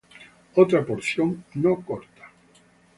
Otra porción no corta